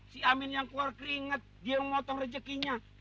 si amin yang keluar keringet dia yang ngotong rejekinya